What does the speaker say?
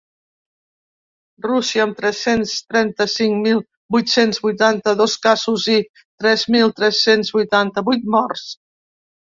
Rússia, amb tres-cents trenta-cinc mil vuit-cents vuitanta-dos casos i tres mil tres-cents vuitanta-vuit morts.